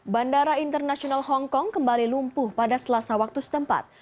bandara internasional hongkong kembali lumpuh pada selasa waktu setempat